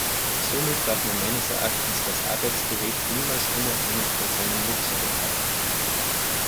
Somit darf man meines Erachtens das Arbeitsgerät niemals unabhängig von seinem Nutzer betrachten.